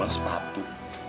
bunga kemas sepatu